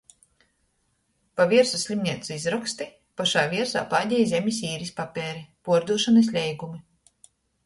Pa viersu slimneicu izroksti, pošā viersā pādejī zemis īris papeiri, puordūšonys leigumi.